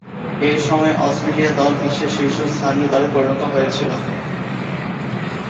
এ সময়ে অস্ট্রেলিয়া দল বিশ্বের শীর্ষস্থানীয় দলে পরিণত হয়েছিল।